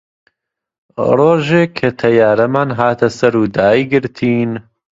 ڕۆژێ کە تەیارەمان هاتە سەر و دایگرتین